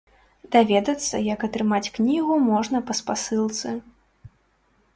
Даведацца, як атрымаць кнігу, можна па спасылцы.